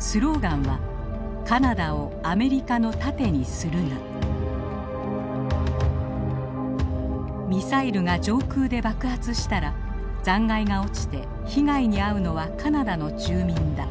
スローガンはミサイルが上空で爆発したら残骸が落ちて被害に遭うのはカナダの住民だ。